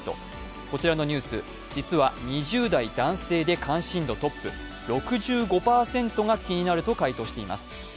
こちらのニュース、実は２０代男性で関心度トップ、６５％が気になると回答しています。